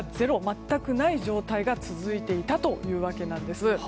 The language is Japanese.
全くない状態が続いていたというわけなんです。